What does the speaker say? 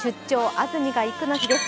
安住がいく」の日です。